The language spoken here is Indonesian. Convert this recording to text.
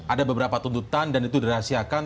ada beberapa tuntutan dan itu dirahasiakan